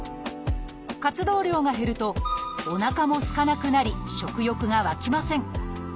活動量が減るとおなかもすかなくなり食欲がわきません。